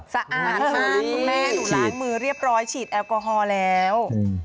สะอาดมากคุณแม่หนูล้างมือเรียบร้อยฉีดแอลกอฮอล์แล้ว